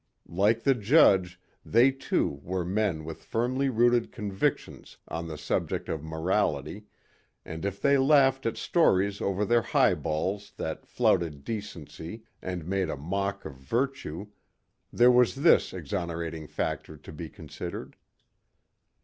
Like the judge, they too were men with firmly rooted convictions on the subject of morality and if they laughed at stories over their highballs that flouted decency and made a mock of virtue there was this exonerating factor to be considered.